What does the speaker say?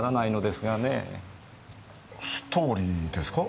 ストーリーですか？